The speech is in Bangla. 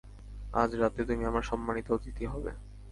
আজ রাতে, তুমি আমার সম্মানিত অতিথি হবে।